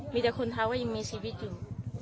มีแต่คนท้าว่ายังมีชีวิตอยู่